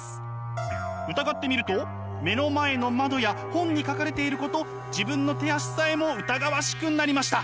疑ってみると目の前の窓や本に書かれていること自分の手足さえも疑わしくなりました。